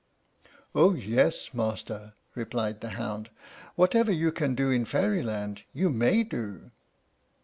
"Oh, yes, master," replied the hound; "whatever you can do in Fairyland you may do."